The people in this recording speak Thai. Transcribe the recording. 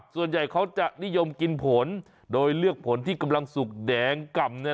ส่วนใหญ่เขาจะนิยมกินผลโดยเลือกผลที่กำลังสุกแดงกล่ำ